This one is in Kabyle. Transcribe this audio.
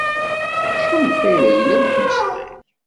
Acu n lfayda yellan deg umeslay?